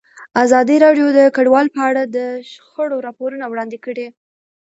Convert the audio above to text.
ازادي راډیو د کډوال په اړه د شخړو راپورونه وړاندې کړي.